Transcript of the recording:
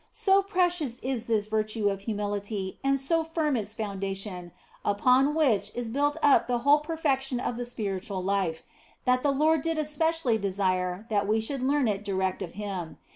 So precious is this virtue of humility and so firm its founda tion (upon which is built up the whole perfection of the spiritual life), that the Lord did especially desire that we should learn it direct of Him.